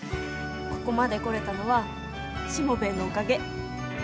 ここまで来れたのはしもべえのおかげ。